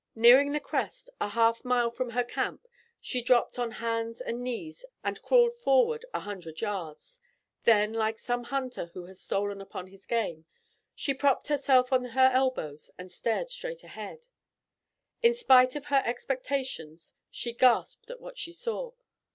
Nearing the crest, a half mile from her camp, she dropped on hands and knees and crawled forward a hundred yards. Then, like some hunter who has stolen upon his game, she propped herself on her elbows and stared straight ahead. In spite of her expectations, she gasped at what she saw.